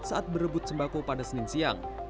saat berebut sembako pada senin siang